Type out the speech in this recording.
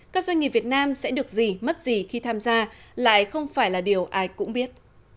các doanh nghiệp việt nam sẽ được gì mất gì khi tham gia lại không phải là điều ai cũng biết